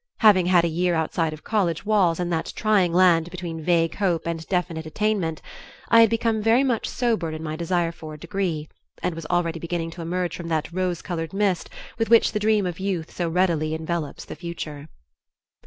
Having had a year outside of college walls in that trying land between vague hope and definite attainment, I had become very much sobered in my desire for a degree, and was already beginning to emerge from that rose colored mist with which the dream of youth so readily envelops the future.